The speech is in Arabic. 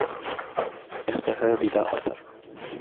اختفى بلا أثر.